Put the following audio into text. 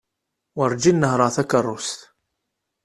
Werǧin nehreɣ takerrust.